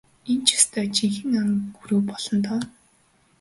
Энэ ч ёстой жинхэнэ ан гөрөө болно доо.